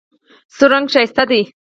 سور رنګ ښایسته دی.